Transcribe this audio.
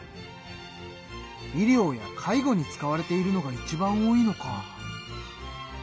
医療や介護に使われているのがいちばん多いのか。